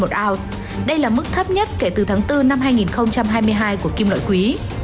đây là mức thấp nhất kể từ tháng bốn năm hai nghìn hai mươi hai của kim loại quý